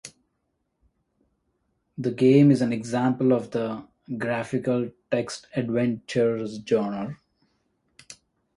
The game is an example of the graphical text adventure genre.